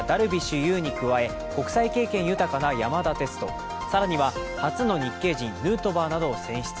有に加え国際経験豊かな山田哲人、更には初の日系人ヌートバーなどを選出。